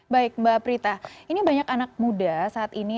baik mbak prita ini banyak anak muda saat ini